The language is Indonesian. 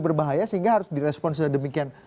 berbahaya sehingga harus direspon sedemikian